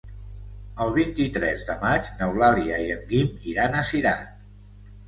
El vint-i-tres de maig n'Eulàlia i en Guim iran a Cirat.